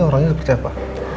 orangnya seperti apa